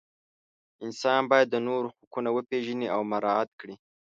انسان باید د نورو حقونه وپیژني او مراعات کړي.